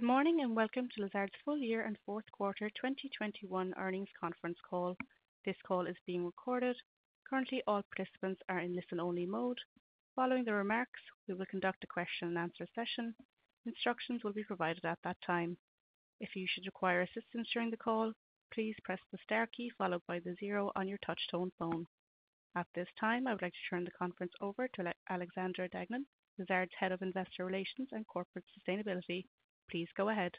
Good morning, and welcome to Lazard's full year and Fourth Quarter 2021 earnings conference call. This call is being recorded. Currently, all participants are in listen-only mode. Following the remarks, we will conduct a question-and-answer session. Instructions will be provided at that time. If you should require assistance during the call, please press the star key followed by the zero on your touchtone phone. At this time, I would like to turn the conference over to Alexandra Deignan, Lazard's Head of Investor Relations and Corporate Sustainability. Please go ahead.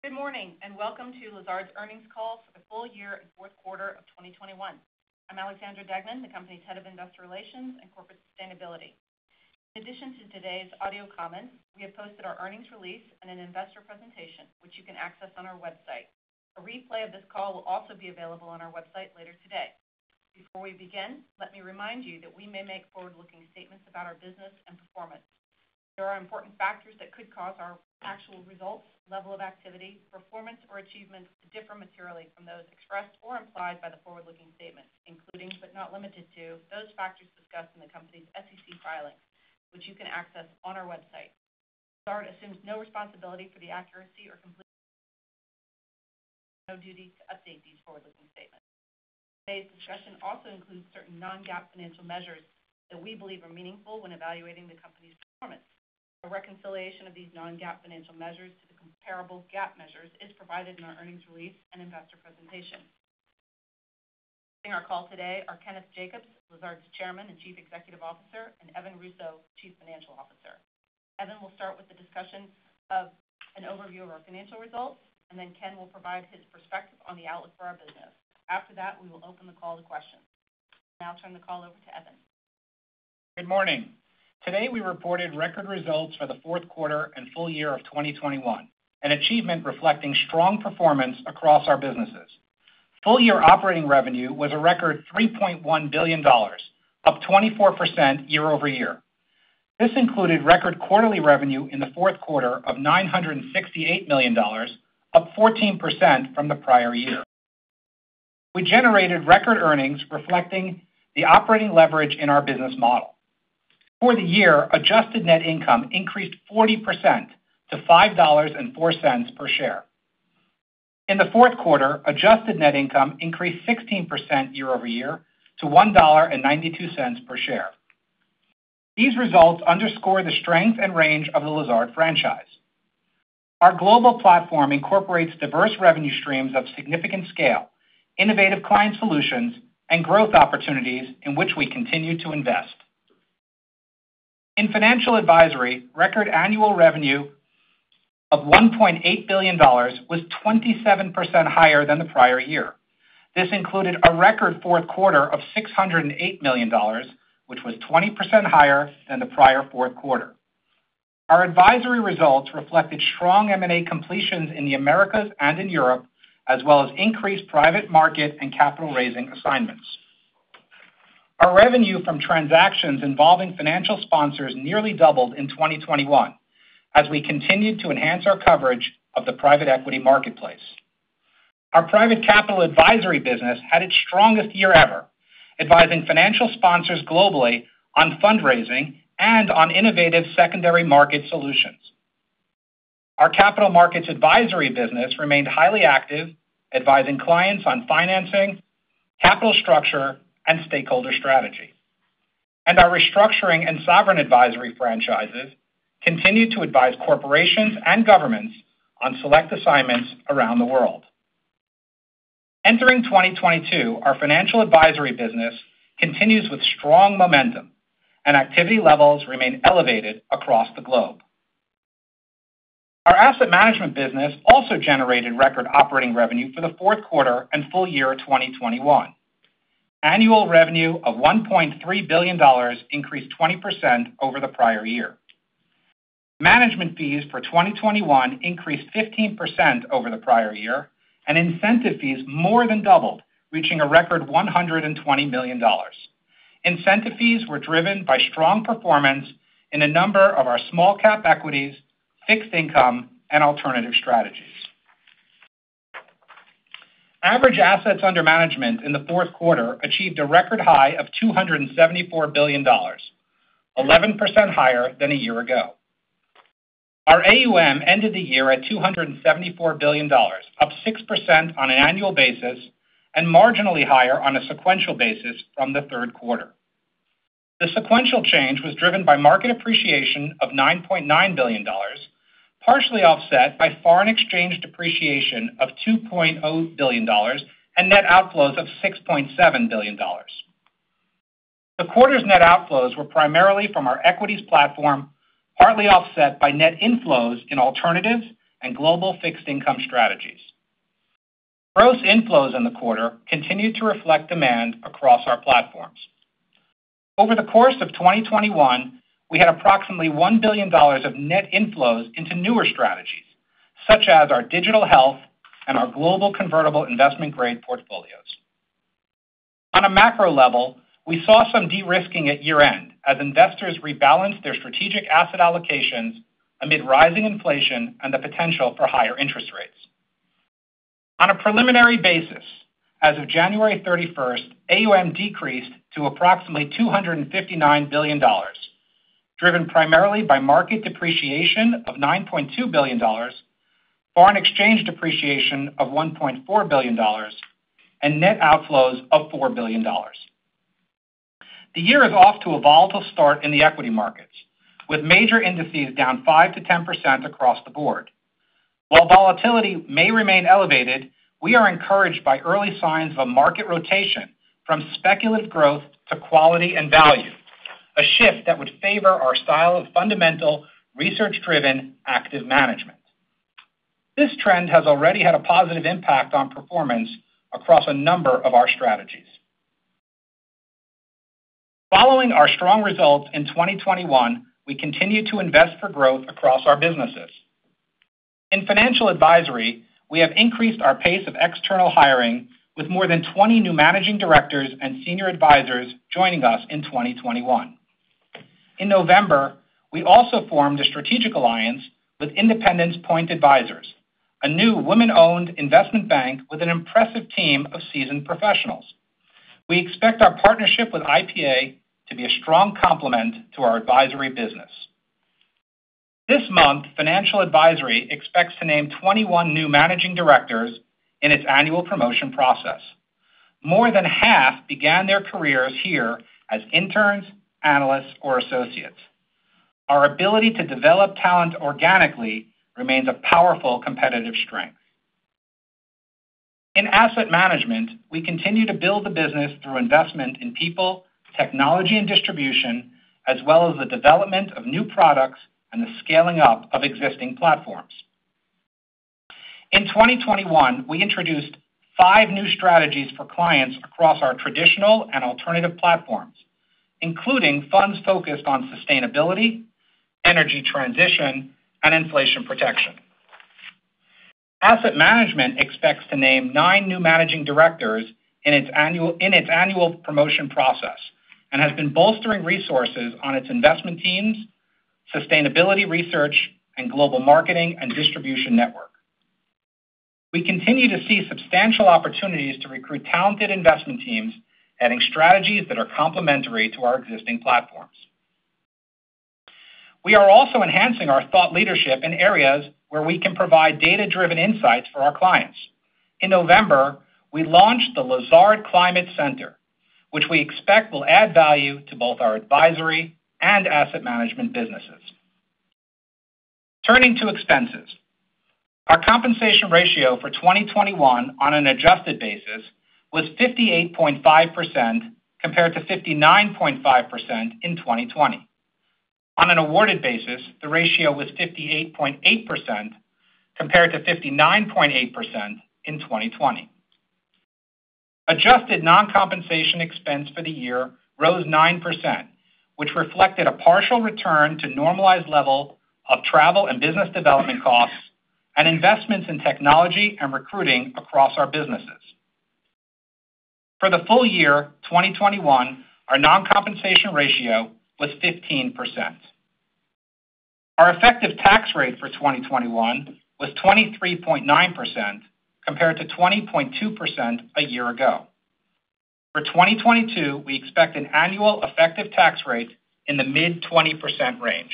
Good morning and welcome to Lazard's earnings call for the full year and Fourth Quarter of 2021. I'm Alexandra Deignan, the company's Head of Investor Relations and Corporate Sustainability. In addition to today's audio comments, we have posted our earnings release in an investor presentation, which you can access on our website. A replay of this call will also be available on our website later today. Before we begin, let me remind you that we may make forward-looking statements about our business and performance. There are important factors that could cause our actual results, level of activity, performance or achievements to differ materially from those expressed or implied by the forward-looking statements, including but not limited to, those factors discussed in the company's SEC filings, which you can access on our website. Lazard assumes no responsibility for the accuracy or completeness of these forward-looking statements and no duty to update these forward-looking statements. Today's discussion also includes certain non-GAAP financial measures that we believe are meaningful when evaluating the company's performance. A reconciliation of these non-GAAP financial measures to the comparable GAAP measures is provided in our earnings release and investor presentation. Joining our call today are Kenneth Jacobs, Lazard's Chairman and Chief Executive Officer, and Evan Russo, Chief Financial Officer. Evan will start with the discussion of an overview of our financial results, and then Ken will provide his perspective on the outlook for our business. After that, we will open the call to questions. I'll now turn the call over to Evan. Good morning. Today, we reported record results for the fourth quarter and full year of 2021, an achievement reflecting strong performance across our businesses. Full year operating revenue was a record $3.1 billion, up 24% year-over-year. This included record quarterly revenue in the fourth quarter of $968 million, up 14% from the prior year. We generated record earnings reflecting the operating leverage in our business model. For the year, adjusted net income increased 40% to $5.04 per share. In the fourth quarter, adjusted net income increased 16% year-over-year to $1.92 per share. These results underscore the strength and range of the Lazard franchise. Our global platform incorporates diverse revenue streams of significant scale, innovative client solutions, and growth opportunities in which we continue to invest. In financial advisory, record annual revenue of $1.8 billion was 27% higher than the prior year. This included a record fourth quarter of $608 million, which was 20% higher than the prior fourth quarter. Our advisory results reflected strong M&A completions in the Americas and in Europe, as well as increased private market and capital raising assignments. Our revenue from transactions involving financial sponsors nearly doubled in 2021 as we continued to enhance our coverage of the private equity marketplace. Our Private Capital Advisory business had its strongest year ever, advising financial sponsors globally on fundraising and on innovative secondary market solutions. Our capital markets advisory business remained highly active, advising clients on financing, capital structure, and stakeholder strategy. Our restructuring and sovereign advisory franchises continued to advise corporations and governments on select assignments around the world. Entering 2022, our financial advisory business continues with strong momentum and activity levels remain elevated across the globe. Our asset management business also generated record operating revenue for the fourth quarter and full year 2021. Annual revenue of $1.3 billion increased 20% over the prior year. Management fees for 2021 increased 15% over the prior year, and incentive fees more than doubled, reaching a record $120 million. Incentive fees were driven by strong performance in a number of our small cap equities, fixed income, and alternative strategies. Average assets under management in the fourth quarter achieved a record high of $274 billion, 11% higher than a year ago. Our AUM ended the year at $274 billion, up 6% on an annual basis and marginally higher on a sequential basis from the third quarter. The sequential change was driven by market appreciation of $9.9 billion, partially offset by foreign exchange depreciation of $2.0 billion and net outflows of $6.7 billion. The quarter's net outflows were primarily from our equities platform, partly offset by net inflows in alternatives and global fixed income strategies. Gross inflows in the quarter continued to reflect demand across our platforms. Over the course of 2021, we had approximately $1 billion of net inflows into newer strategies, such as our Digital Health and our Global Convertible Investment Grade portfolios. On a macro level, we saw some de-risking at year-end as investors rebalanced their strategic asset allocations amid rising inflation and the potential for higher interest rates. On a preliminary basis, as of January 31, AUM decreased to approximately $259 billion, driven primarily by market depreciation of $9.2 billion, foreign exchange depreciation of $1.4 billion, and net outflows of $4 billion. The year is off to a volatile start in the equity markets, with major indices down 5%-10% across the board. While volatility may remain elevated, we are encouraged by early signs of a market rotation from speculative growth to quality and value, a shift that would favor our style of fundamental, research-driven, active management. This trend has already had a positive impact on performance across a number of our strategies. Following our strong results in 2021, we continue to invest for growth across our businesses. In Financial Advisory, we have increased our pace of external hiring with more than 20 new managing directors and senior advisors joining us in 2021. In November, we also formed a strategic alliance with Independence Point Advisors, a new women-owned investment bank with an impressive team of seasoned professionals. We expect our partnership with IPA to be a strong complement to our advisory business. This month, Financial Advisory expects to name 21 new managing directors in its annual promotion process. More than half began their careers here as interns, analysts, or associates. Our ability to develop talent organically remains a powerful competitive strength. In asset management, we continue to build the business through investment in people, technology, and distribution, as well as the development of new products and the scaling up of existing platforms. In 2021, we introduced five new strategies for clients across our traditional and alternative platforms, including funds focused on sustainability, energy transition, and inflation protection. Asset management expects to name nine new managing directors in its annual promotion process, and has been bolstering resources on its investment teams, sustainability research, and global marketing and distribution network. We continue to see substantial opportunities to recruit talented investment teams, adding strategies that are complementary to our existing platforms. We are also enhancing our thought leadership in areas where we can provide data-driven insights for our clients. In November, we launched the Lazard Climate Center, which we expect will add value to both our advisory and asset management businesses. Turning to expenses. Our compensation ratio for 2021 on an adjusted basis was 58.5% compared to 59.5% in 2020. On an awarded basis, the ratio was 58.8% compared to 59.8% in 2020. Adjusted non-compensation expense for the year rose 9%, which reflected a partial return to normalized level of travel and business development costs and investments in technology and recruiting across our businesses. For the full year, 2021, our non-compensation ratio was 15%. Our effective tax rate for 2021 was 23.9%, compared to 20.2% a year ago. For 2022, we expect an annual effective tax rate in the mid-20% range.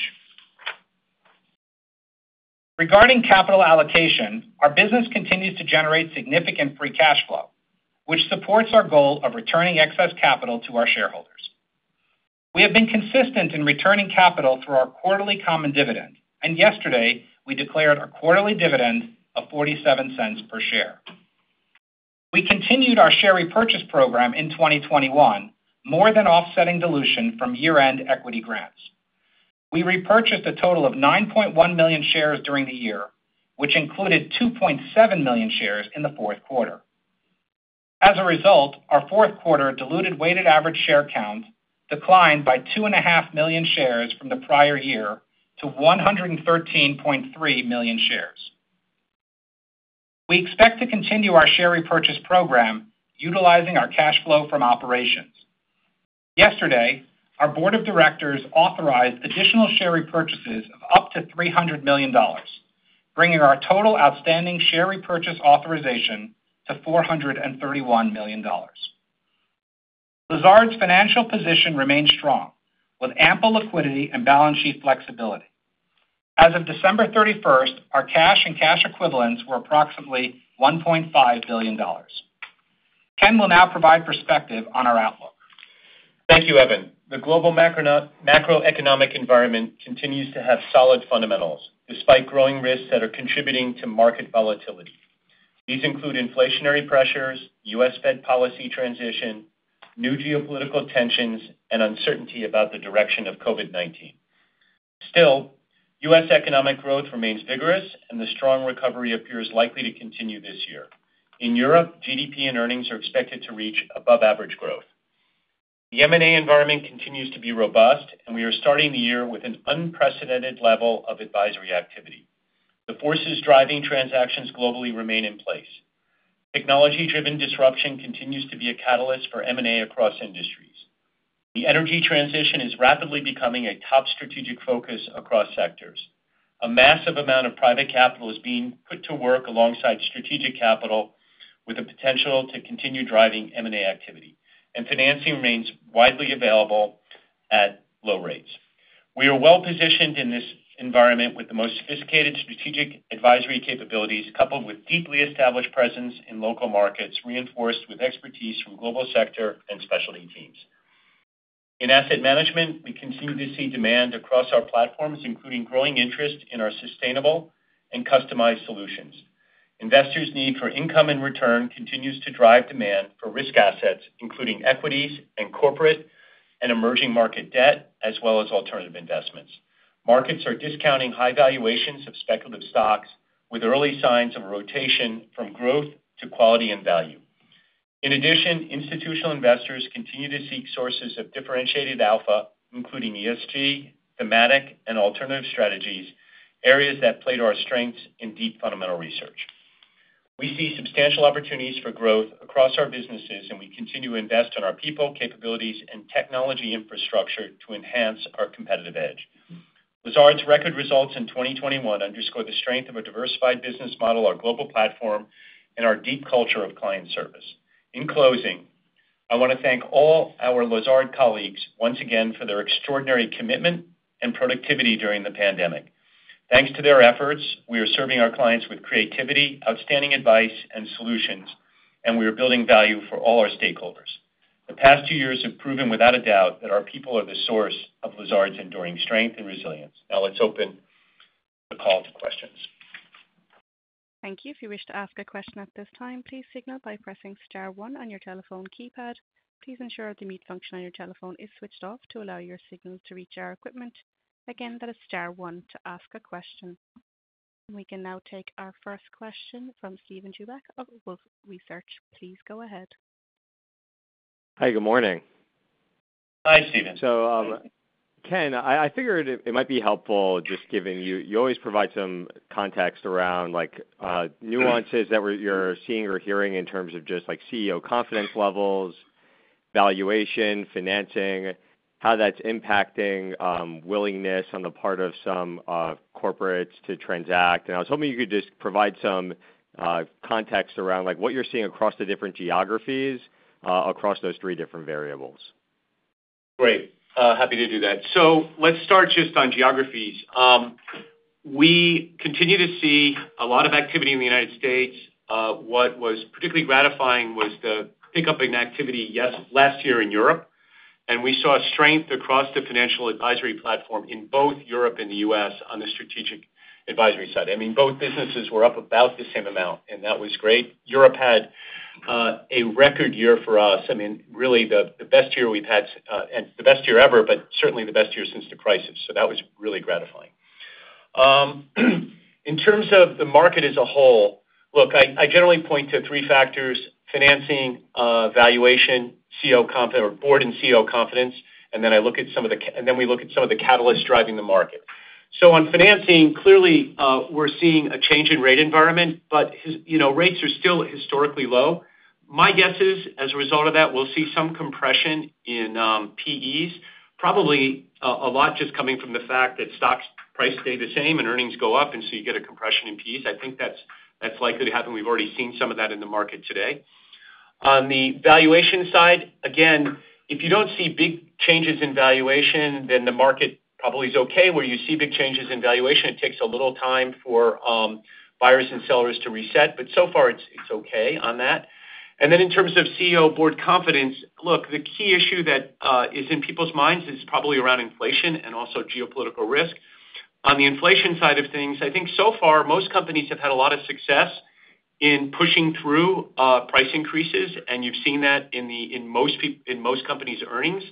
Regarding capital allocation, our business continues to generate significant free cash flow, which supports our goal of returning excess capital to our shareholders. We have been consistent in returning capital through our quarterly common dividend, and yesterday, we declared our quarterly dividend of $0.47 per share. We continued our share repurchase program in 2021, more than offsetting dilution from year-end equity grants. We repurchased a total of 9.1 million shares during the year, which included 2.7 million shares in the fourth quarter. As a result, our fourth quarter diluted weighted average share count declined by 2.5 million shares from the prior year to 113.3 million shares. We expect to continue our share repurchase program utilizing our cash flow from operations. Yesterday, our board of directors authorized additional share repurchases of up to $300 million, bringing our total outstanding share repurchase authorization to $431 million. Lazard's financial position remains strong, with ample liquidity and balance sheet flexibility. As of December 31st, our cash and cash equivalents were approximately $1.5 billion. Ken will now provide perspective on our outlook. Thank you, Evan. The global macroeconomic environment continues to have solid fundamentals, despite growing risks that are contributing to market volatility. These include inflationary pressures, U.S. Fed policy transition, new geopolitical tensions, and uncertainty about the direction of COVID-19. Still, U.S. economic growth remains vigorous, and the strong recovery appears likely to continue this year. In Europe, GDP and earnings are expected to reach above-average growth. The M&A environment continues to be robust, and we are starting the year with an unprecedented level of advisory activity. The forces driving transactions globally remain in place. Technology-driven disruption continues to be a catalyst for M&A across industries. The energy transition is rapidly becoming a top strategic focus across sectors. A massive amount of private capital is being put to work alongside strategic capital with the potential to continue driving M&A activity, and financing remains widely available at low rates. We are well-positioned in this environment with the most sophisticated strategic advisory capabilities, coupled with deeply established presence in local markets, reinforced with expertise from global sector and specialty teams. In asset management, we continue to see demand across our platforms, including growing interest in our sustainable and customized solutions. Investors' need for income and return continues to drive demand for risk assets, including equities and corporate and emerging market debt, as well as alternative investments. Markets are discounting high valuations of speculative stocks with early signs of rotation from growth to quality and value. In addition, institutional investors continue to seek sources of differentiated alpha, including ESG, thematic, and alternative strategies, areas that play to our strengths in deep fundamental research. We see substantial opportunities for growth across our businesses, and we continue to invest in our people, capabilities, and technology infrastructure to enhance our competitive edge. Lazard's record results in 2021 underscore the strength of a diversified business model, our global platform, and our deep culture of client service. In closing, I wanna thank all our Lazard colleagues once again for their extraordinary commitment and productivity during the pandemic. Thanks to their efforts, we are serving our clients with creativity, outstanding advice, and solutions, and we are building value for all our stakeholders. The past two years have proven without a doubt that our people are the source of Lazard's enduring strength and resilience. Now let's open the call to questions. Thank you. If you wish to ask a question at this time, please signal by pressing star one on your telephone keypad. Please ensure the mute function on your telephone is switched off to allow your signal to reach our equipment. Again, that is star one to ask a question. We can now take our first question from Steven Chubak of Wolfe Research. Please go ahead. Hi, good morning. Hi, Steven. Ken, I figured it might be helpful. You always provide some context around, like, nuances that you're seeing or hearing in terms of just, like, CEO confidence levels, valuation, financing, how that's impacting willingness on the part of some corporates to transact. I was hoping you could just provide some context around, like, what you're seeing across the different geographies across those three different variables. Great. Happy to do that. Let's start just on geographies. We continue to see a lot of activity in the United States. What was particularly gratifying was the pickup in activity last year in Europe, and we saw strength across the financial advisory platform in both Europe and the U.S. on the strategic advisory side. I mean, both businesses were up about the same amount, and that was great. Europe had a record year for us. I mean, really the best year we've had, and the best year ever, but certainly the best year since the crisis. That was really gratifying. In terms of the market as a whole, look, I generally point to three factors: financing, valuation, or board and CEO confidence, and then we look at some of the catalysts driving the market. On financing, clearly, we're seeing a change in rate environment, but this, you know, rates are still historically low. My guess is, as a result of that, we'll see some compression in PEs, probably a lot just coming from the fact that stock prices stay the same and earnings go up, and so you get a compression in PEs. I think that's likely to happen. We've already seen some of that in the market today. On the valuation side, again, if you don't see big changes in valuation, then the market probably is okay. Where you see big changes in valuation, it takes a little time for buyers and sellers to reset, but so far it's okay on that. Then in terms of CEO board confidence, look, the key issue that is in people's minds is probably around inflation and also geopolitical risk. On the inflation side of things, I think so far most companies have had a lot of success in pushing through price increases, and you've seen that in most companies' earnings.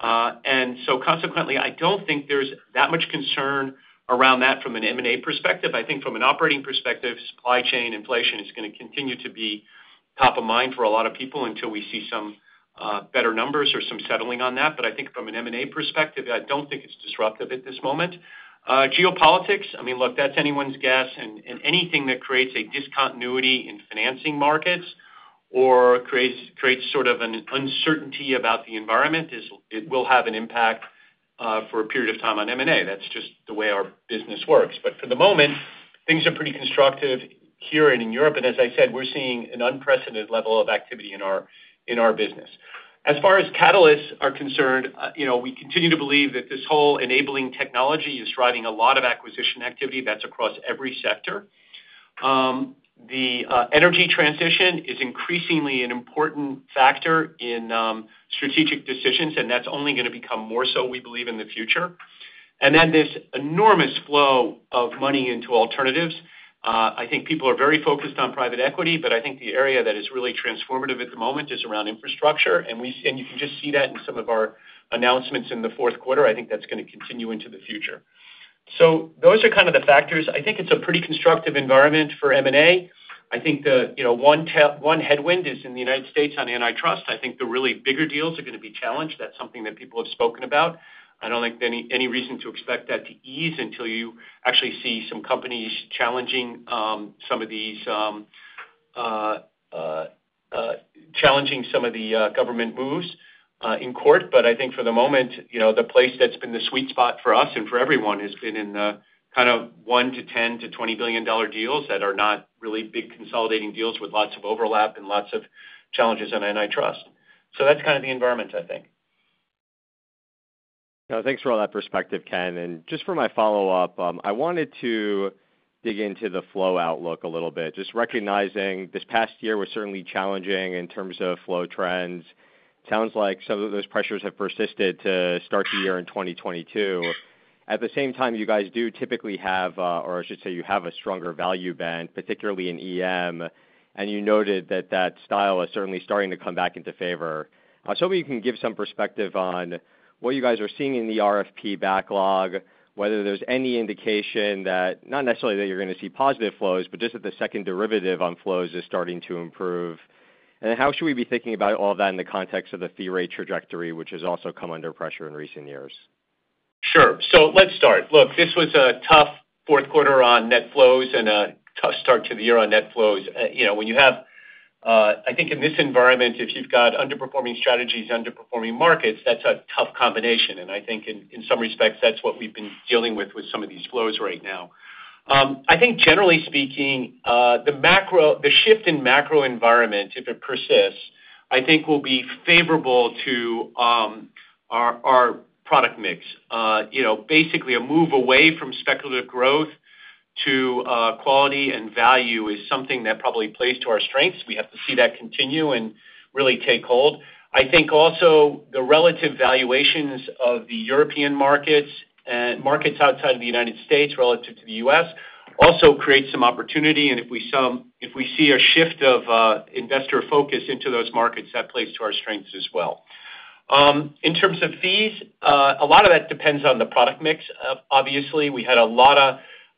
Consequently, I don't think there's that much concern around that from an M&A perspective. I think from an operating perspective, supply chain inflation is gonna continue to be top of mind for a lot of people until we see some better numbers or some settling on that. I think from an M&A perspective, I don't think it's disruptive at this moment. Geopolitics, I mean, look, that's anyone's guess, and anything that creates a discontinuity in financing markets or creates sort of an uncertainty about the environment is. It will have an impact, for a period of time on M&A. That's just the way our business works. For the moment, things are pretty constructive here and in Europe. As I said, we're seeing an unprecedented level of activity in our business. As far as catalysts are concerned, you know, we continue to believe that this whole enabling technology is driving a lot of acquisition activity that's across every sector. The energy transition is increasingly an important factor in strategic decisions, and that's only gonna become more so, we believe, in the future. Then this enormous flow of money into alternatives. I think people are very focused on private equity, but I think the area that is really transformative at the moment is around infrastructure. We can just see that in some of our announcements in the fourth quarter. I think that's gonna continue into the future. Those are kind of the factors. I think it's a pretty constructive environment for M&A. I think one headwind is in the United States on antitrust. I think the really bigger deals are gonna be challenged. That's something that people have spoken about. I don't think any reason to expect that to ease until you actually see some companies challenging some of these, Challenging some of the government moves in court. I think for the moment, you know, the place that's been the sweet spot for us and for everyone has been in the kind of $1 billion-$10 billion to $20 billion deals that are not really big consolidating deals with lots of overlap and lots of challenges on antitrust. That's kind of the environment, I think. Thanks for all that perspective, Ken. Just for my follow-up, I wanted to dig into the flow outlook a little bit, just recognizing this past year was certainly challenging in terms of flow trends. Sounds like some of those pressures have persisted to start the year in 2022. At the same time, you guys do typically have, or I should say you have a stronger value bent, particularly in EM, and you noted that style is certainly starting to come back into favor. I was hoping you can give some perspective on what you guys are seeing in the RFP backlog, whether there's any indication that not necessarily that you're going to see positive flows, but just that the second derivative on flows is starting to improve. How should we be thinking about all that in the context of the fee rate trajectory, which has also come under pressure in recent years? Sure. Let's start. Look, this was a tough fourth quarter on net flows and a tough start to the year on net flows. You know, when you have, I think in this environment, if you've got underperforming strategies, underperforming markets, that's a tough combination. I think in some respects, that's what we've been dealing with with some of these flows right now. I think generally speaking, the shift in macro environment, if it persists, I think will be favorable to our product mix. You know, basically a move away from speculative growth to quality and value is something that probably plays to our strengths. We have to see that continue and really take hold. I think also the relative valuations of the European markets and markets outside of the United States relative to the U.S. also creates some opportunity. If we see a shift of investor focus into those markets, that plays to our strengths as well. In terms of fees, a lot of that depends on the product mix. Obviously, we had a lot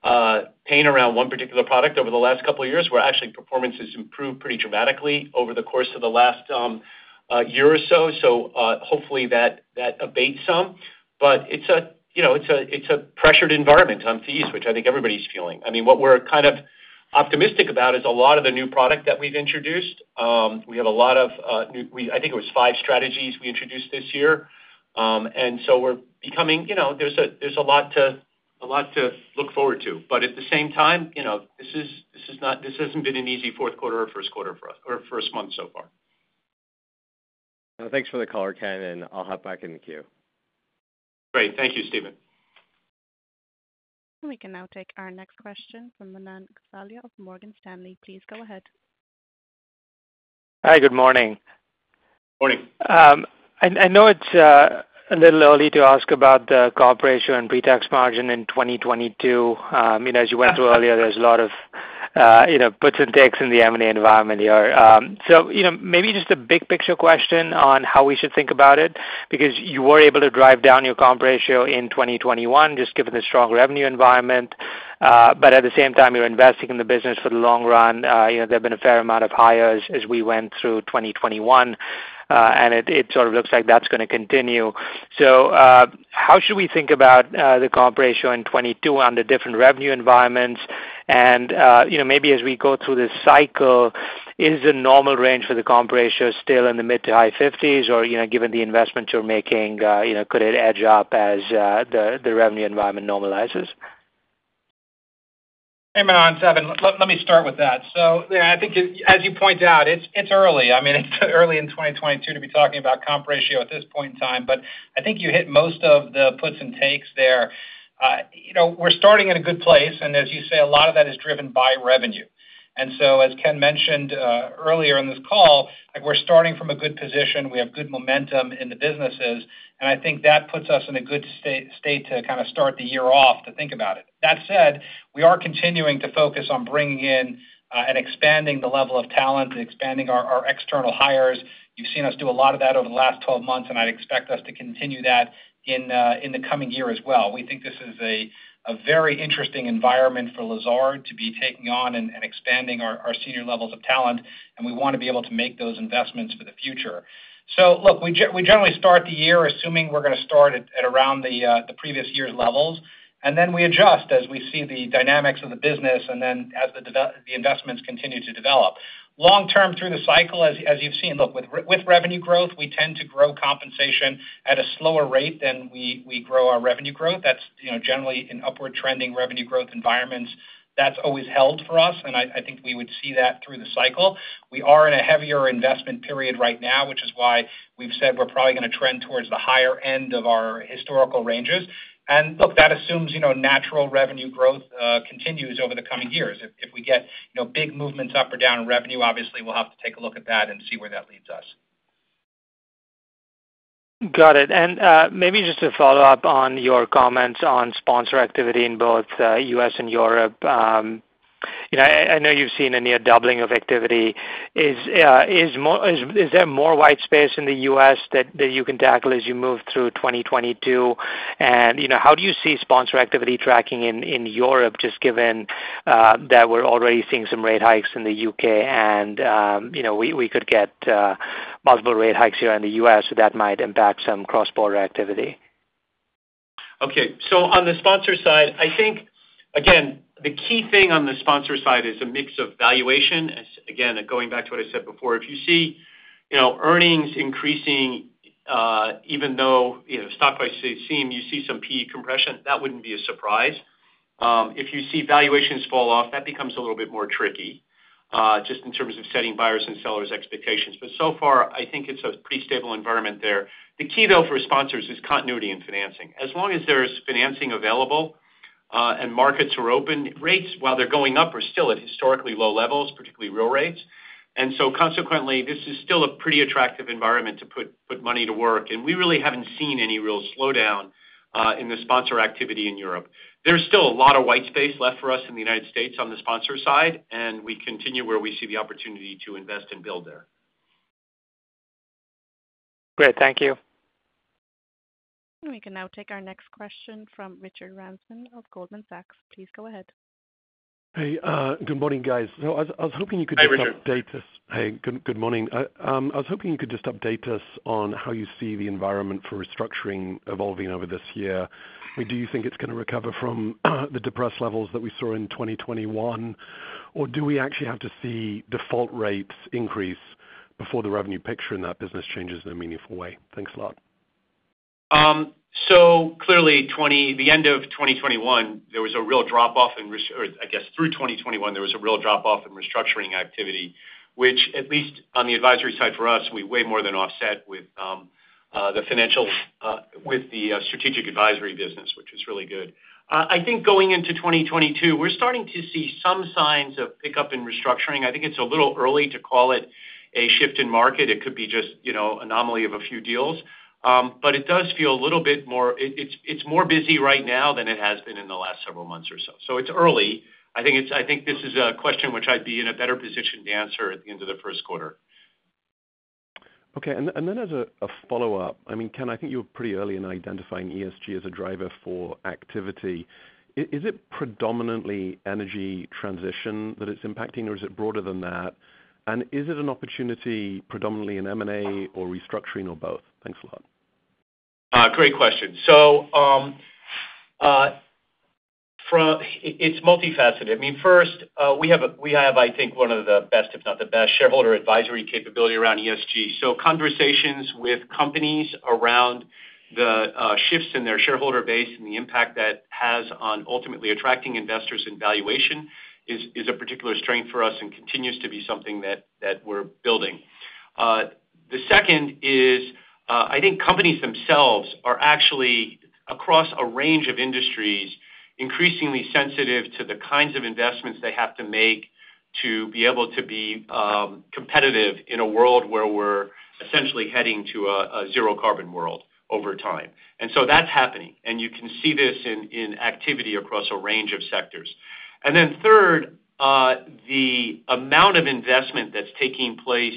of pain around one particular product over the last couple of years, where actually performance has improved pretty dramatically over the course of the last year or so. Hopefully that abates some. It's a pressured environment on fees, you know, which I think everybody's feeling. I mean, what we're kind of optimistic about is a lot of the new product that we've introduced. We, I think it was five strategies we introduced this year. We're becoming, you know, there's a lot to look forward to. At the same time, you know, this hasn't been an easy fourth quarter or first quarter for us, or first month so far. Thanks for the color, Ken, and I'll hop back in the queue. Great. Thank you, Steven Chubak. We can now take our next question from Manan Gosalia of Morgan Stanley. Please go ahead. Hi, good morning. Morning. I know it's a little early to ask about the compensation and pre-tax margin in 2022. You know, as you went through earlier, there's a lot of you know, puts and takes in the M&A environment here. You know, maybe just a big picture question on how we should think about it, because you were able to drive down your comp ratio in 2021 just given the strong revenue environment. At the same time, you're investing in the business for the long run. You know, there have been a fair amount of hires as we went through 2021, and it sort of looks like that's going to continue. How should we think about the comp ratio in 2022 under different revenue environments? You know, maybe as we go through this cycle, is the normal range for the comp ratio still in the mid- to high-50s, or, you know, given the investments you're making, you know, could it edge up as the revenue environment normalizes? Hey, Manan. It's Evan. Let me start with that. Yeah, I think as you point out, it's early. I mean, it's early in 2022 to be talking about comp ratio at this point in time, but I think you hit most of the puts and takes there. You know, we're starting in a good place, and as you say, a lot of that is driven by revenue. As Ken mentioned, earlier on this call, like we're starting from a good position. We have good momentum in the businesses, and I think that puts us in a good state to kind of start the year off to think about it. That said, we are continuing to focus on bringing in and expanding the level of talent, expanding our external hires. You've seen us do a lot of that over the last 12 months, and I'd expect us to continue that in the coming year as well. We think this is a very interesting environment for Lazard to be taking on and expanding our senior levels of talent, and we want to be able to make those investments for the future. Look, we generally start the year assuming we're going to start at around the previous year's levels, and then we adjust as we see the dynamics of the business and then as the investments continue to develop. Long-term through the cycle, as you've seen, look, with revenue growth, we tend to grow compensation at a slower rate than we grow our revenue growth. That's, you know, generally in upward trending revenue growth environments, that's always held for us, and I think we would see that through the cycle. We are in a heavier investment period right now, which is why we've said we're probably going to trend towards the higher end of our historical ranges. Look, that assumes, you know, natural revenue growth continues over the coming years. If we get, you know, big movements up or down in revenue, obviously, we'll have to take a look at that and see where that leads us. Got it. Maybe just to follow up on your comments on sponsor activity in both U.S. and Europe. You know, I know you've seen a near doubling of activity. Is there more white space in the U.S. that you can tackle as you move through 2022? You know, how do you see sponsor activity tracking in Europe, just given that we're already seeing some rate hikes in the U.K. and you know, we could get multiple rate hikes here in the U.S. that might impact some cross-border activity? Okay. On the sponsor side, I think, again, the key thing on the sponsor side is a mix of valuation. Again, going back to what I said before. If you see, you know, earnings increasing, even though, you know, stock prices seem, you see some PE compression, that wouldn't be a surprise. If you see valuations fall off, that becomes a little bit more tricky, just in terms of setting buyers and sellers expectations. So far, I think it's a pretty stable environment there. The key though for sponsors is continuity in financing. As long as there's financing available, and markets are open, rates, while they're going up, are still at historically low levels, particularly real rates. Consequently, this is still a pretty attractive environment to put money to work. We really haven't seen any real slowdown in the sponsor activity in Europe. There's still a lot of white space left for us in the United States on the sponsor side, and we continue where we see the opportunity to invest and build there. Great. Thank you. We can now take our next question from Richard Ramsden of Goldman Sachs. Please go ahead. Hey, good morning, guys. I was hoping you could just update us- Hey, Richard. Hey, good morning. I was hoping you could just update us on how you see the environment for restructuring evolving over this year. Do you think it's gonna recover from the depressed levels that we saw in 2021? Or do we actually have to see default rates increase before the revenue picture in that business changes in a meaningful way? Thanks a lot. Clearly, through 2021, there was a real drop-off in restructuring activity, which at least on the advisory side for us, we way more than offset with the strategic advisory business, which was really good. I think going into 2022, we're starting to see some signs of pickup in restructuring. I think it's a little early to call it a shift in market. It could be just, you know, anomaly of a few deals. But it does feel a little bit more busy right now than it has been in the last several months or so. It's early. I think this is a question which I'd be in a better position to answer at the end of the first quarter. Okay. Then as a follow-up, I mean, Ken, I think you were pretty early in identifying ESG as a driver for activity. Is it predominantly energy transition that it's impacting, or is it broader than that? Is it an opportunity predominantly in M&A or restructuring or both? Thanks a lot. Great question. It's multifaceted. I mean, first, we have I think one of the best, if not the best shareholder advisory capability around ESG. Conversations with companies around the shifts in their shareholder base and the impact that has on ultimately attracting investors in valuation is a particular strength for us and continues to be something that we're building. The second is, I think companies themselves are actually across a range of industries, increasingly sensitive to the kinds of investments they have to make to be able to be competitive in a world where we're essentially heading to a zero carbon world over time. That's happening. You can see this in activity across a range of sectors. Third, the amount of investment that's taking place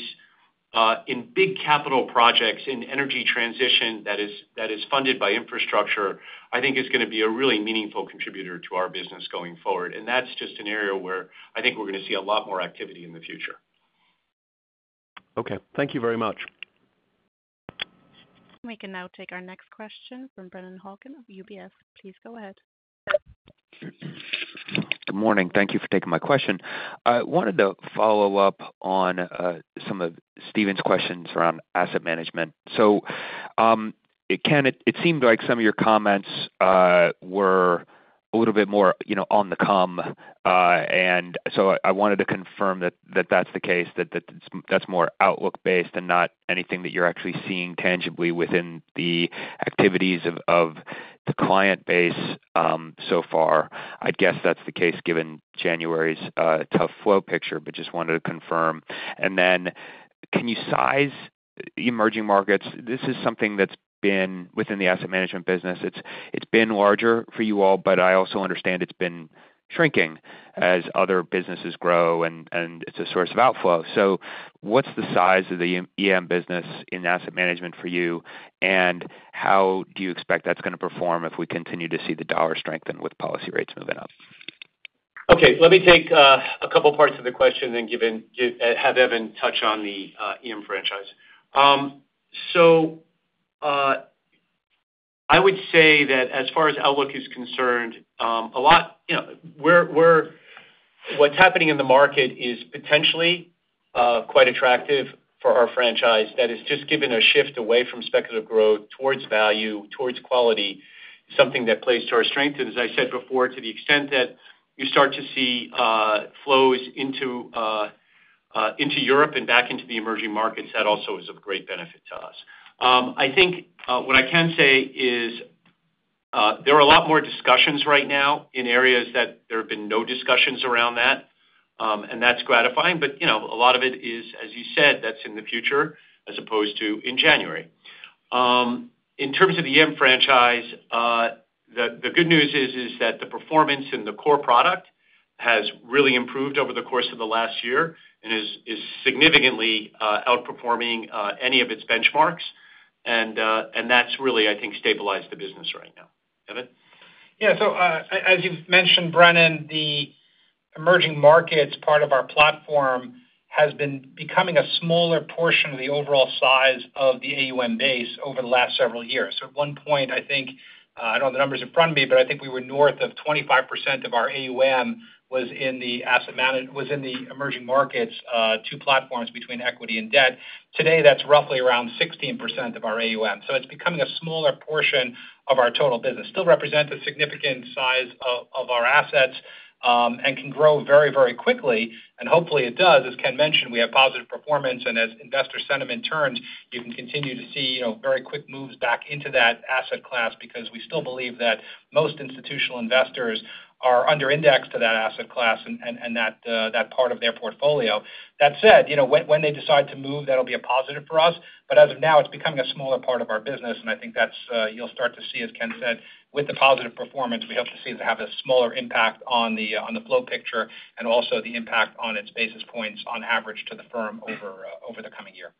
in big capital projects in energy transition that is funded by infrastructure, I think is gonna be a really meaningful contributor to our business going forward. That's just an area where I think we're gonna see a lot more activity in the future. Okay. Thank you very much. We can now take our next question from Brennan Hawken of UBS. Please go ahead. Good morning. Thank you for taking my question. I wanted to follow up on some of Steven's questions around asset management. Ken, it seemed like some of your comments were a little bit more, you know, on the come. I wanted to confirm that that's the case. That's more outlook based and not anything that you're actually seeing tangibly within the activities of the client base so far. I guess that's the case given January's tough flow picture, but just wanted to confirm. Can you size emerging markets? This is something that's been within the asset management business. It's been larger for you all, but I also understand it's been shrinking as other businesses grow and it's a source of outflow. What's the size of the EM business in asset management for you, and how do you expect that's gonna perform if we continue to see the dollar strengthen with policy rates moving up? Okay. Let me take a couple parts of the question, then have Evan touch on the EM franchise. I would say that as far as outlook is concerned, what's happening in the market is potentially quite attractive for our franchise. That is just given a shift away from speculative growth towards value, towards quality, something that plays to our strength. As I said before, to the extent that you start to see flows into Europe and back into the emerging markets, that also is of great benefit to us. I think what I can say is there are a lot more discussions right now in areas that there have been no discussions around that, and that's gratifying. You know, a lot of it is, as you said, that's in the future as opposed to in January. In terms of the EM franchise, the good news is that the performance in the core product has really improved over the course of the last year and is significantly outperforming any of its benchmarks. And that's really, I think, stabilized the business right now. Evan? Yeah. As you've mentioned, Brennan, the emerging markets part of our platform has been becoming a smaller portion of the overall size of the AUM base over the last several years. At one point, I think, I don't have the numbers in front of me, but I think we were north of 25% of our AUM was in the asset was in the emerging markets two platforms between equity and debt. Today, that's roughly around 16% of our AUM. It's becoming a smaller portion of our total business. Still represents a significant size of our assets, and can grow very, very quickly, and hopefully it does. As Ken mentioned, we have positive performance, and as investor sentiment turns, you can continue to see, you know, very quick moves back into that asset class because we still believe that most institutional investors are under-indexed to that asset class and that part of their portfolio. That said, you know, when they decide to move, that'll be a positive for us. But as of now, it's becoming a smaller part of our business, and I think that's you'll start to see, as Ken said, with the positive performance, we hope to see it to have a smaller impact on the flow picture and also the impact on its basis points on average to the firm over the coming year.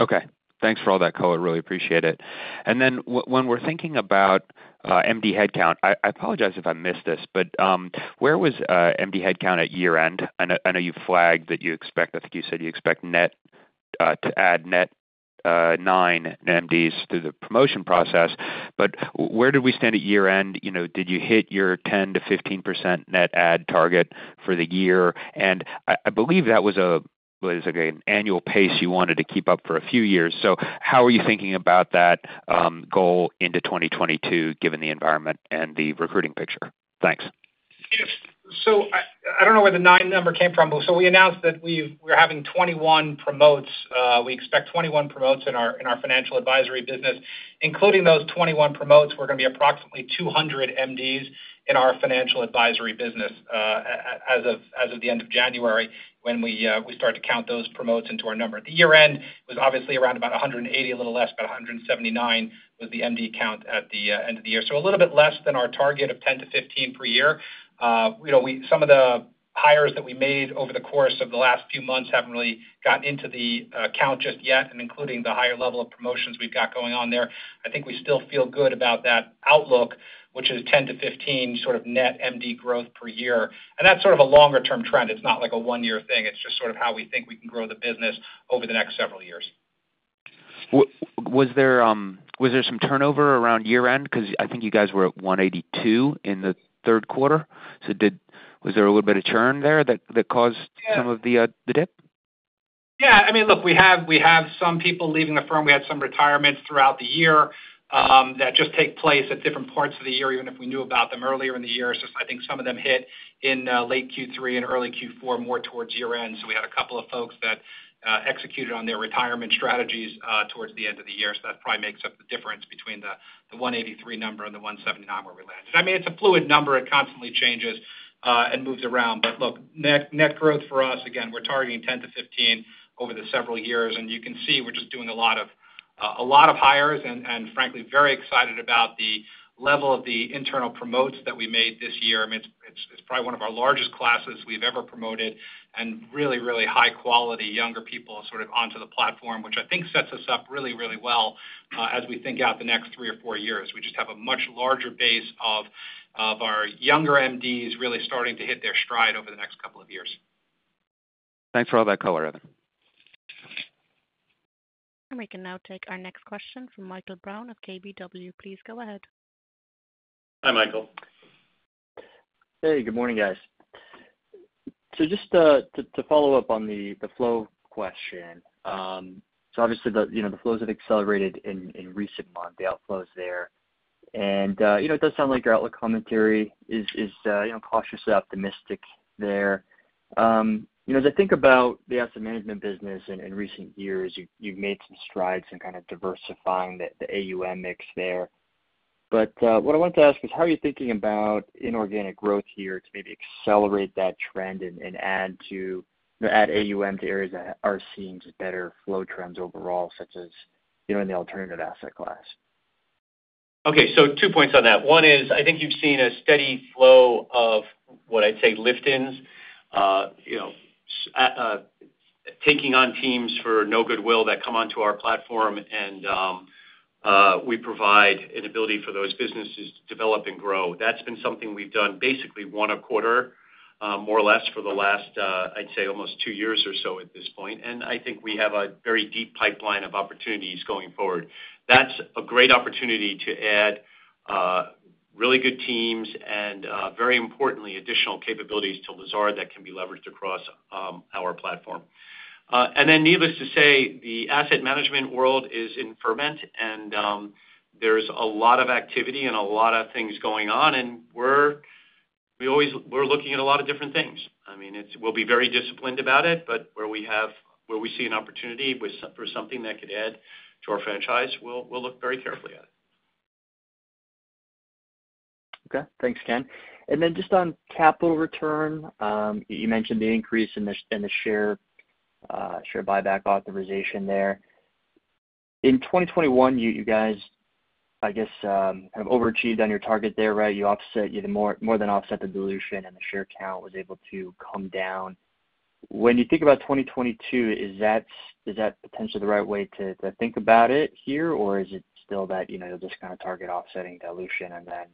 Okay. Thanks for all that color. Really appreciate it. When we're thinking about MD headcount, I apologize if I missed this, but where was MD headcount at year-end? I know you flagged that you expect, I think you said you expect net to add net nine MDs through the promotion process. Where did we stand at year-end? You know, did you hit your 10%-15% net add target for the year? I believe that was like an annual pace you wanted to keep up for a few years. How are you thinking about that goal into 2022, given the environment and the recruiting picture? Thanks. Yes. I don't know where the nine number came from. We announced that we're having 21 promotes. We expect 21 promotes in our financial advisory business. Including those 21 promotes, we're gonna be approximately 200 MDs in our financial advisory business, as of the end of January, when we start to count those promotes into our number. At the year-end, it was obviously around about 180, a little less, about 179 was the MD count at the end of the year. A little bit less than our target of 10-15 per year. You know, some of the hires that we made over the course of the last few months haven't really gotten into the count just yet, and including the higher level of promotions we've got going on there. I think we still feel good about that outlook, which is 10-15 sort of net MD growth per year. That's sort of a longer-term trend. It's not like a one-year thing. It's just sort of how we think we can grow the business over the next several years. Was there some turnover around year-end? Because I think you guys were at 182 in the third quarter. Was there a little bit of churn there that caused- Yeah. Some of the dip? Yeah. I mean, look, we have some people leaving the firm. We had some retirements throughout the year that just take place at different parts of the year, even if we knew about them earlier in the year. It's just I think some of them hit in late Q3 and early Q4, more towards year-end. We had a couple of folks that executed on their retirement strategies towards the end of the year. That probably makes up the difference between the 183 number and the 179 where we landed. I mean, it's a fluid number. It constantly changes and moves around. Look, net growth for us, again, we're targeting 10-15 over the several years. You can see we're just doing a lot of hires and frankly very excited about the level of the internal promotes that we made this year. I mean, it's probably one of our largest classes we've ever promoted and really, really high quality younger people sort of onto the platform, which I think sets us up really, really well as we think out the next three or four years. We just have a much larger base of our younger MDs really starting to hit their stride over the next couple of years. Thanks for all that color, Evan. We can now take our next question from Michael Brown of KBW. Please go ahead. Hi, Michael. Hey, good morning, guys. Just to follow up on the flow question. Obviously the flows have accelerated in recent months, the outflows there. You know, it does sound like your outlook commentary is cautiously optimistic there. You know, as I think about the asset management business in recent years, you've made some strides in kind of diversifying the AUM mix there. What I wanted to ask is, how are you thinking about inorganic growth here to maybe accelerate that trend and add to, you know, add AUM to areas that are seeing just better flow trends overall, such as, you know, in the alternative asset class? Okay, two points on that. One is, I think you've seen a steady flow of what I'd say lift-ins, you know, taking on teams for no goodwill that come onto our platform and we provide an ability for those businesses to develop and grow. That's been something we've done basically one a quarter, more or less for the last, I'd say almost two years or so at this point. I think we have a very deep pipeline of opportunities going forward. That's a great opportunity to add really good teams and very importantly, additional capabilities to Lazard that can be leveraged across our platform. Needless to say, the asset management world is in ferment and there's a lot of activity and a lot of things going on. We're looking at a lot of different things. I mean, we'll be very disciplined about it, but where we see an opportunity for something that could add to our franchise, we'll look very carefully at it. Okay. Thanks, Ken. Just on capital return, you mentioned the increase in the share buyback authorization there. In 2021, you guys, I guess, have overachieved on your target there, right? You more than offset the dilution, and the share count was able to come down. When you think about 2022, is that potentially the right way to think about it here? Or is it still that, you know, you'll just kind of target offsetting dilution and then,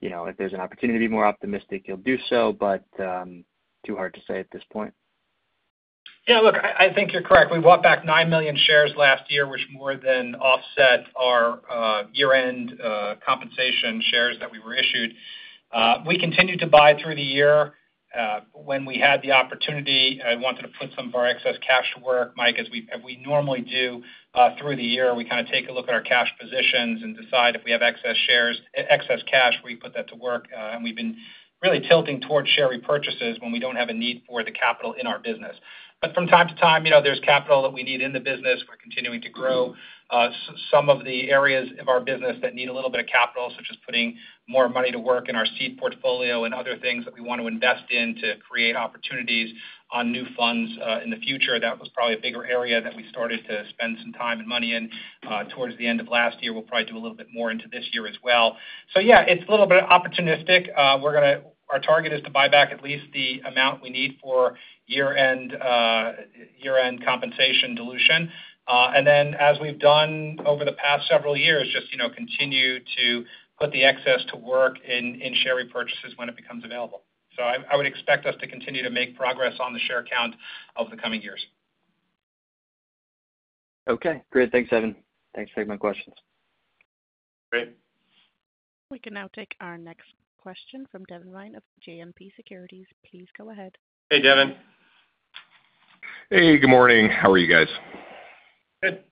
you know, if there's an opportunity to be more optimistic, you'll do so, but too hard to say at this point? Yeah. Look, I think you're correct. We bought back nine million shares last year, which more than offset our year-end compensation shares that we were issued. We continued to buy through the year. When we had the opportunity, I wanted to put some of our excess cash to work, Mike, as we normally do through the year. We kinda take a look at our cash positions and decide if we have excess cash, we put that to work. We've been really tilting towards share repurchases when we don't have a need for the capital in our business. From time to time, you know, there's capital that we need in the business. We're continuing to grow. Some of the areas of our business that need a little bit of capital, such as putting more money to work in our seed portfolio and other things that we want to invest in to create opportunities on new funds, in the future. That was probably a bigger area that we started to spend some time and money in, towards the end of last year. We'll probably do a little bit more into this year as well. Yeah, it's a little bit opportunistic. Our target is to buy back at least the amount we need for year-end compensation dilution. Then as we've done over the past several years, just, you know, continue to put the excess to work in share repurchases when it becomes available. I would expect us to continue to make progress on the share count over the coming years. Okay, great. Thanks, Evan. Thanks for taking my questions. Great. We can now take our next question from Devin Ryan of JMP Securities. Please go ahead. Hey, Devin. Hey, good morning. How are you guys? Good.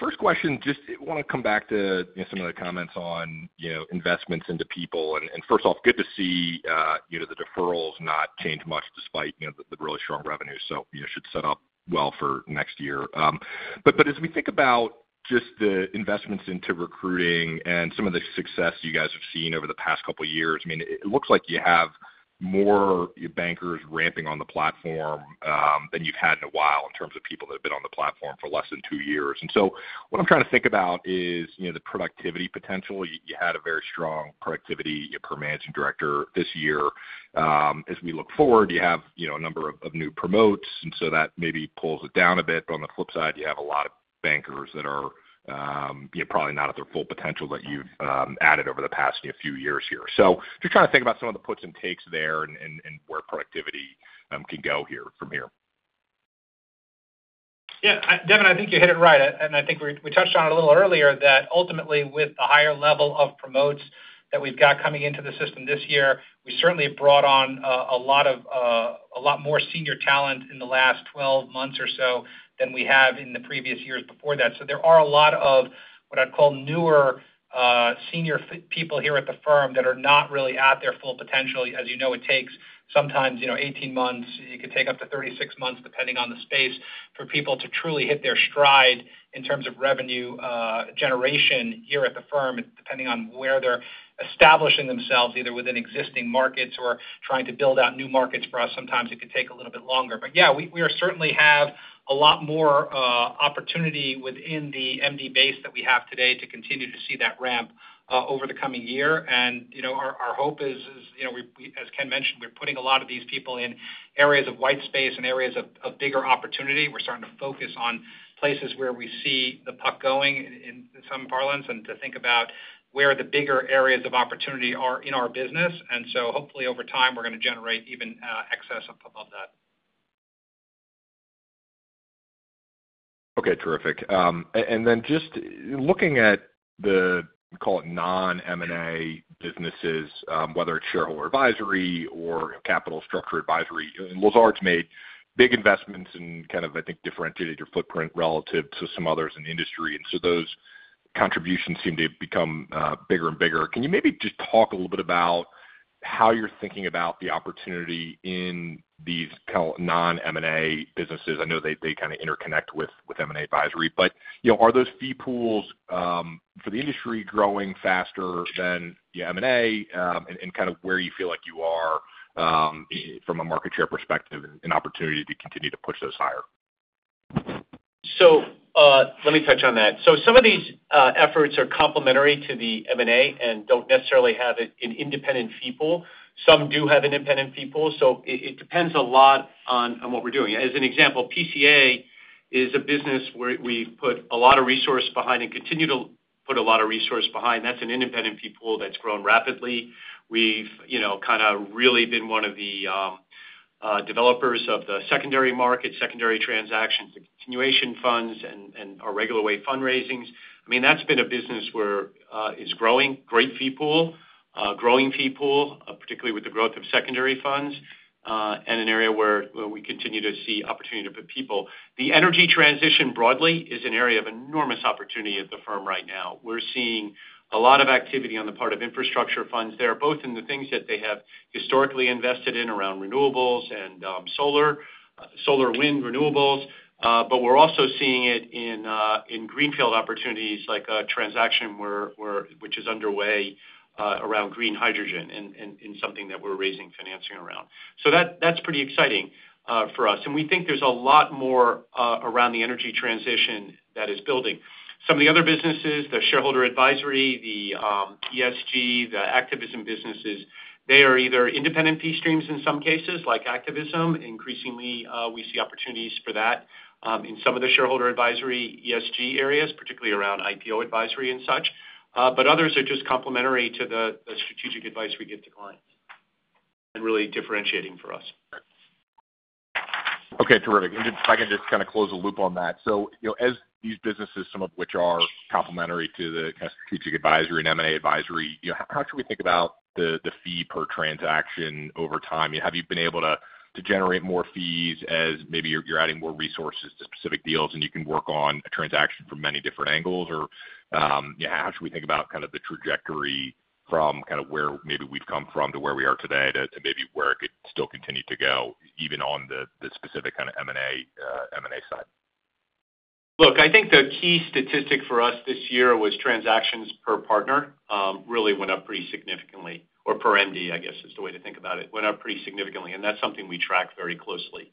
First question, just wanna come back to, you know, some of the comments on, you know, investments into people. First off, good to see, you know, the deferrals not change much despite, you know, the really strong revenues. You know, should set up well for next year. As we think about just the investments into recruiting and some of the success you guys have seen over the past couple years, I mean, it looks like you have more bankers ramping on the platform, than you've had in a while in terms of people that have been on the platform for less than two years. What I'm trying to think about is, you know, the productivity potential. You had a very strong productivity per managing director this year. As we look forward, you have, you know, a number of new promotes, and so that maybe pulls it down a bit. But on the flip side, you have a lot of bankers that are, you know, probably not at their full potential that you've added over the past, you know, few years here. So just trying to think about some of the puts and takes there and where productivity can go here, from here. Yeah. Devin, I think you hit it right. I think we touched on it a little earlier that ultimately, with the higher level of promotes that we've got coming into the system this year, we certainly have brought on a lot more senior talent in the last 12 months or so than we have in the previous years before that. There are a lot of, what I'd call newer, senior people here at the firm that are not really at their full potential. As you know, it takes sometimes 18 months, it could take up to 36 months, depending on the space, for people to truly hit their stride in terms of revenue generation here at the firm, depending on where they're establishing themselves, either within existing markets or trying to build out new markets for us. Sometimes it could take a little bit longer. Yeah, we certainly have a lot more opportunity within the MD base that we have today to continue to see that ramp over the coming year. Our hope is, you know, as Ken mentioned, we're putting a lot of these people in areas of white space and areas of bigger opportunity. We're starting to focus on places where we see the puck going in some parlance, and to think about where the bigger areas of opportunity are in our business. Hopefully over time, we're gonna generate even excess above that. Okay, terrific. Just looking at the call it non-M&A businesses, whether it's shareholder advisory or capital structure advisory, and Lazard's made big investments and kind of, I think, differentiated your footprint relative to some others in the industry. Those contributions seem to have become bigger and bigger. Can you maybe just talk a little bit about how you're thinking about the opportunity in these non-M&A businesses? I know they kinda interconnect with M&A advisory. You know, are those fee pools for the industry growing faster than the M&A and kind of where you feel like you are from a market share perspective and opportunity to continue to push those higher. Let me touch on that. Some of these efforts are complementary to the M&A and don't necessarily have an independent fee pool. Some do have independent fee pools, so it depends a lot on what we're doing. As an example, PCA is a business where we've put a lot of resource behind and continue to put a lot of resource behind. That's an independent fee pool that's grown rapidly. We've, you know, kinda really been one of the developers of the secondary market, secondary transactions, continuation funds and our regular way fundraisings. I mean, that's been a business where it is growing. Great fee pool, growing fee pool, particularly with the growth of secondary funds and an area where we continue to see opportunity to put people. The energy transition broadly is an area of enormous opportunity at the firm right now. We're seeing a lot of activity on the part of infrastructure funds there, both in the things that they have historically invested in around renewables and solar wind renewables. But we're also seeing it in greenfield opportunities like a transaction which is underway around green hydrogen and something that we're raising financing around. That's pretty exciting for us. We think there's a lot more around the energy transition that is building. Some of the other businesses, the shareholder advisory, the ESG, the activism businesses, they are either independent fee streams in some cases like activism. Increasingly, we see opportunities for that in some of the shareholder advisory ESG areas, particularly around IPO advisory and such. Others are just complementary to the strategic advice we give to clients and really differentiating for us. Okay. Terrific. If I can just kind of close the loop on that. You know, as these businesses, some of which are complementary to the kind of strategic advisory and M&A advisory, you know, how should we think about the fee per transaction over time? Have you been able to generate more fees as maybe you're adding more resources to specific deals and you can work on a transaction from many different angles? Or, yeah, how should we think about kind of the trajectory from kind of where maybe we've come from to where we are today to maybe where it could still continue to go even on the specific kind of M&A side? Look, I think the key statistic for us this year was transactions per partner, really went up pretty significantly or per MD, I guess, is the way to think about it, went up pretty significantly, and that's something we track very closely.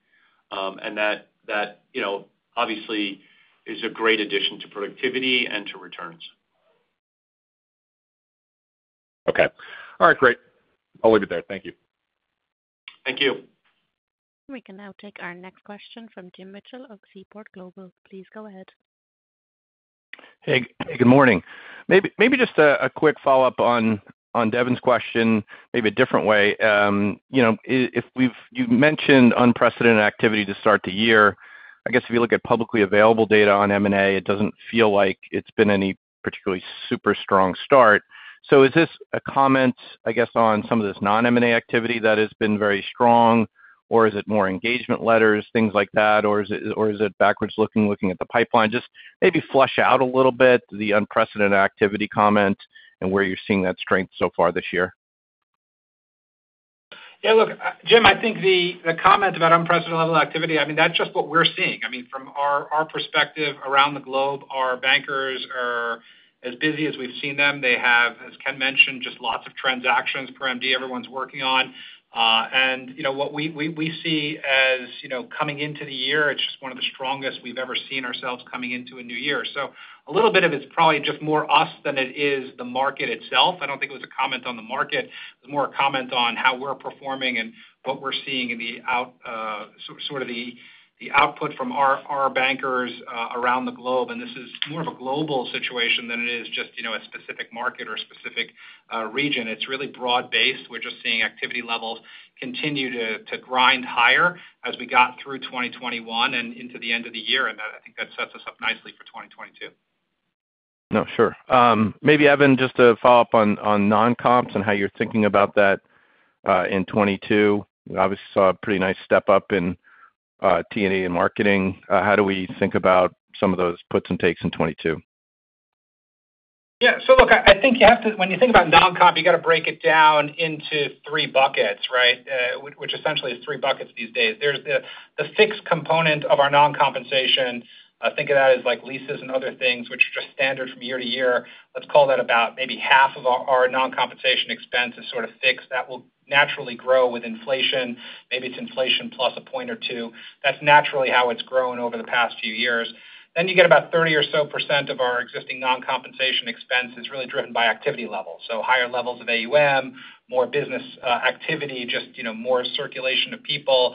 That, you know, obviously is a great addition to productivity and to returns. Okay. All right, great. I'll leave it there. Thank you. Thank you. We can now take our next question from Jim Mitchell of Seaport Global. Please go ahead. Hey, good morning. Maybe just a quick follow-up on Devin's question, maybe a different way. You know, if you've mentioned unprecedented activity to start the year. I guess, if you look at publicly available data on M&A, it doesn't feel like it's been any particularly super strong start. Is this a comment, I guess, on some of this non-M&A activity that has been very strong, or is it more engagement letters, things like that? Is it backward-looking, looking at the pipeline? Just maybe flesh out a little bit the unprecedented activity comment and where you're seeing that strength so far this year. Yeah, look, Jim, I think the comment about unprecedented level activity, I mean, that's just what we're seeing. I mean, from our perspective around the globe, our bankers are as busy as we've seen them. They have, as Ken mentioned, just lots of transactions per MD everyone's working on. You know, what we see as, you know, coming into the year, it's just one of the strongest we've ever seen ourselves coming into a new year. A little bit of it's probably just more us than it is the market itself. I don't think it was a comment on the market. It's more a comment on how we're performing and what we're seeing in the sort of the output from our bankers around the globe. This is more of a global situation than it is just, you know, a specific market or a specific region. It's really broad-based. We're just seeing activity levels continue to grind higher as we got through 2021 and into the end of the year. That I think sets us up nicely for 2022. No, sure. Maybe, Evan, just to follow up on non-comps and how you're thinking about that in 2022. Obviously saw a pretty nice step-up in T&E and marketing. How do we think about some of those puts and takes in 2022? Look, I think you have to, when you think about non-comp, you got to break it down into 3 buckets, right? Which essentially is three buckets these days. There's the fixed component of our non-compensation. Think of that as like leases and other things which are just standard from year to year. Let's call that about maybe half of our non-compensation expense is sort of fixed. That will naturally grow with inflation. Maybe it's inflation plus a point or two. That's naturally how it's grown over the past few years. Then you get about 30% or so of our existing non-compensation expense is really driven by activity levels. Higher levels of AUM, more business activity, just, you know, more circulation of people,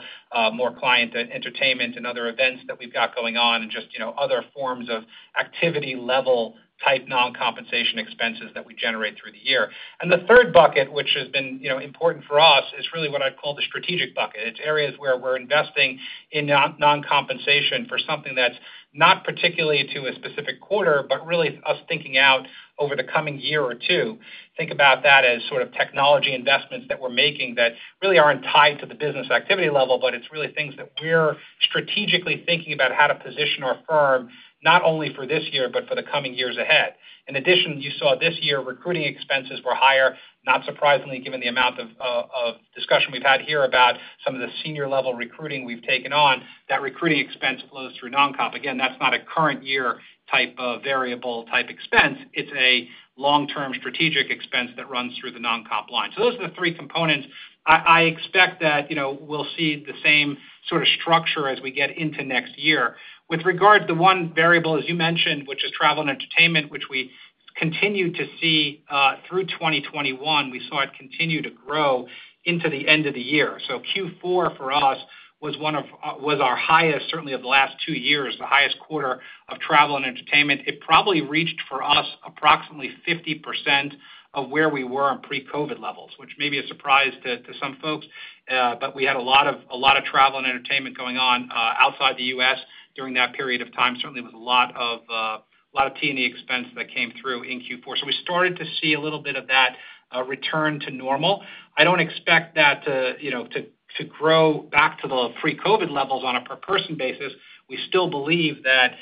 more client entertainment and other events that we've got going on and just, you know, other forms of activity level type non-compensation expenses that we generate through the year. The third bucket, which has been, you know, important for us, is really what I'd call the strategic bucket. It's areas where we're investing in non-compensation for something that's not particularly to a specific quarter, but really us thinking out over the coming year or two. Think about that as sort of technology investments that we're making that really aren't tied to the business activity level, but it's really things that we're strategically thinking about how to position our firm not only for this year, but for the coming years ahead. In addition, you saw this year recruiting expenses were higher, not surprisingly, given the amount of discussion we've had here about some of the senior level recruiting we've taken on. That recruiting expense flows through non-comp. Again, that's not a current year type of variable expense. It's a long-term strategic expense that runs through the non-comp line. Those are the three components. I expect that, you know, we'll see the same sort of structure as we get into next year. With regard to one variable, as you mentioned, which is travel and entertainment, which we continue to see through 2021. We saw it continue to grow into the end of the year. Q4 for us was our highest, certainly of the last two years, the highest quarter of travel and entertainment. It probably reached for us approximately 50% of where we were on pre-COVID levels, which may be a surprise to some folks. We had a lot of travel and entertainment going on outside the U.S. during that period of time. Certainly, it was a lot of T&E expense that came through in Q4. We started to see a little bit of that return to normal. I don't expect that to, you know, grow back to the pre-COVID levels on a per person basis. We still believe that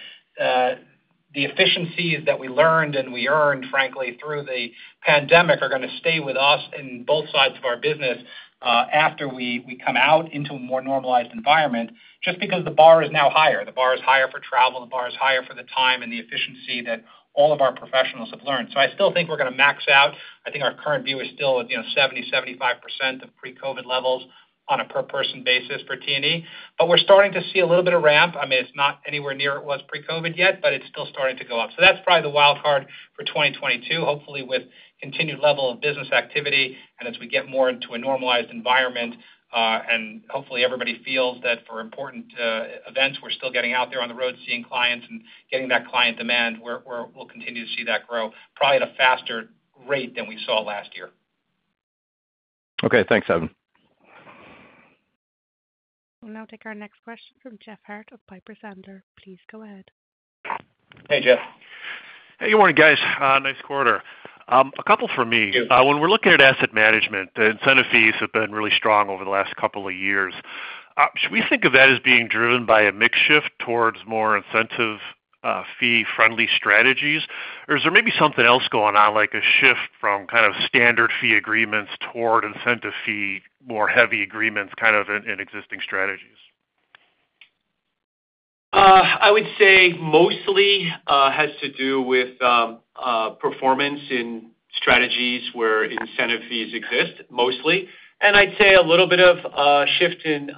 the efficiencies that we learned and we earned, frankly, through the pandemic are gonna stay with us in both sides of our business. After we come out into a more normalized environment, just because the bar is now higher. The bar is higher for travel, the bar is higher for the time and the efficiency that all of our professionals have learned. I still think we're gonna max out. I think our current view is still, you know, 70%-75% of pre-COVID levels on a per person basis for T&E. We're starting to see a little bit of ramp. I mean, it's not anywhere near it was pre-COVID yet, but it's still starting to go up. That's probably the wild card for 2022, hopefully with continued level of business activity and as we get more into a normalized environment, and hopefully everybody feels that for important events, we're still getting out there on the road, seeing clients and getting that client demand where we'll continue to see that grow probably at a faster rate than we saw last year. Okay, thanks, Evan. We'll now take our next question from Jeff Harte of Piper Sandler. Please go ahead. Hey, Jeff. Hey, good morning, guys. Nice quarter. A couple for me. Yeah. When we're looking at asset management, the incentive fees have been really strong over the last couple of years. Should we think of that as being driven by a mix shift towards more incentive fee-friendly strategies? Or is there maybe something else going on, like a shift from kind of standard fee agreements toward incentive fee more heavy agreements kind of in existing strategies? I would say mostly has to do with performance in strategies where incentive fees exist, mostly. I'd say a little bit of shift in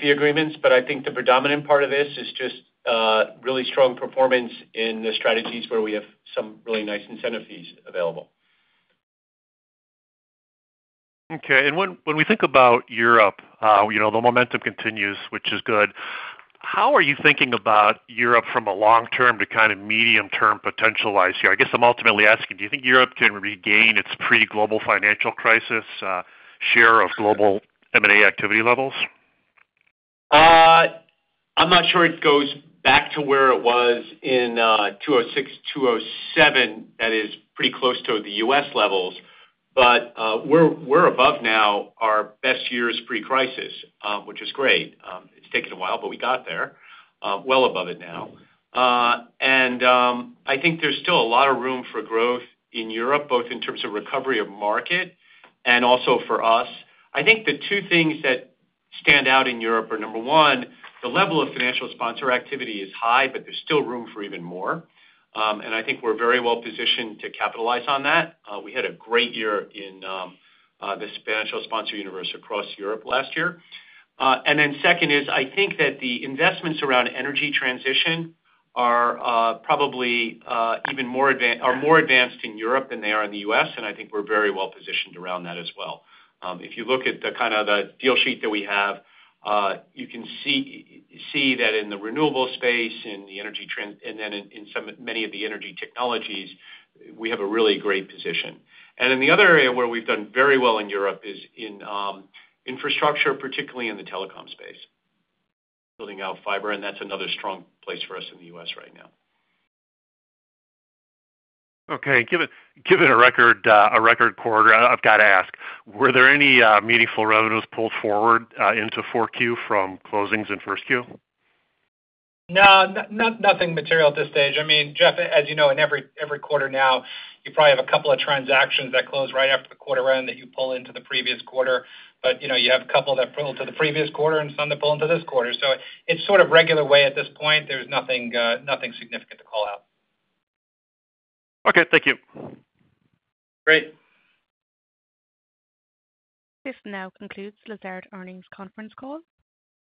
fee agreements, but I think the predominant part of this is just really strong performance in the strategies where we have some really nice incentive fees available. Okay. When we think about Europe, you know, the momentum continues, which is good. How are you thinking about Europe from a long term to kind of medium term potential-wise here? I guess I'm ultimately asking, do you think Europe can regain its pre-global financial crisis share of global M&A activity levels? I'm not sure it goes back to where it was in 2006, 2007, that is pretty close to the U.S. levels. We're above now our best years pre-crisis. Mm-hmm. Which is great. It's taken a while, but we got there, well above it now. I think there's still a lot of room for growth in Europe, both in terms of recovery of market and also for us. I think the two things that stand out in Europe are, number one, the level of financial sponsor activity is high, but there's still room for even more. I think we're very well positioned to capitalize on that. We had a great year in the financial sponsor universe across Europe last year. Second is, I think that the investments around energy transition are probably even more advanced in Europe than they are in the U.S., and I think we're very well positioned around that as well. If you look at the kind of deal sheet that we have, you can see that in the renewable space, and then in many of the energy technologies, we have a really great position. The other area where we've done very well in Europe is in infrastructure, particularly in the telecom space, building out fiber, and that's another strong place for us in the U.S. right now. Okay. Given a record quarter, I've got to ask, were there any meaningful revenues pulled forward into Q4 from closings in Q1? No, nothing material at this stage. I mean, Jeff, as you know, in every quarter now, you probably have a couple of transactions that close right after the quarter end that you pull into the previous quarter. You know, you have a couple that pull to the previous quarter and some that pull into this quarter. It's sort of regular way at this point. There's nothing significant to call out. Okay, thank you. Great. This now concludes Lazard earnings conference call.